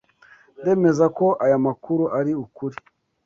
Ndemeza ko aya makuru ari ukuri.